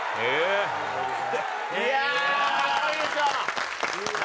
いやあ格好いいでしょ！